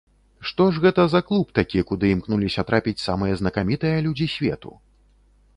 Што ж гэта за клуб такі, куды імкнуліся трапіць самыя знакамітыя людзі свету?